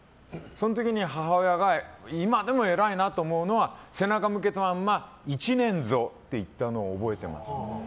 その時に母親が今でも偉いなと思うのは背中向けたまま１年ぞって言ったのを覚えてますね。